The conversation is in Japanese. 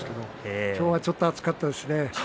今日はちょっと暑かったですね。